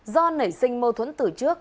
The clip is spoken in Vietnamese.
do nảy sinh mâu thuẫn từ trước